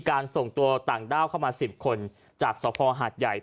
การส่งตัวต่างด้าวเข้ามาสิบคนจากสะพอหาดใหญ่ไป